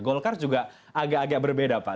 golkar juga agak agak berbeda pak